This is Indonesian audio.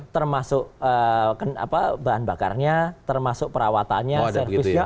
termasuk bahan bakarnya termasuk perawatannya servisnya